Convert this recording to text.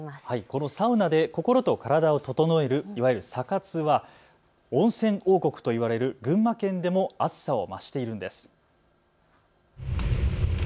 このサウナで心と体を整えるいわゆるサ活は温泉王国と言われる群馬県でも熱さを増しているんです。